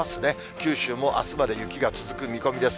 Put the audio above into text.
九州もあすまで雪が続く見込みです。